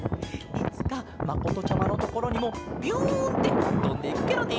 いつかまことちゃまのところにもビュンってとんでいくケロね！